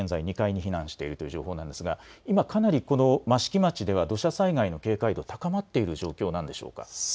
現在２階に避難しているという状況ですが今、益城町では土砂災害への警戒が高まっている状況でしょうか。